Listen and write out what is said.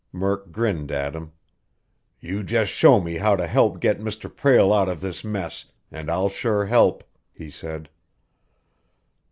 Murk grinned at him. "You just show me how to help get Mr. Prale out of this mess, and I'll sure help," he said.